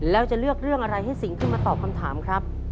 แล้วจะเลือกเรื่องอะไรให้สิงขึ้นมาตอบคำถามครับ